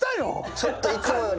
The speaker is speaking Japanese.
ちょっといつもより。